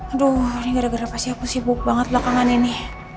aduh ini gara gara pasti aku sibuk banget belakangan ini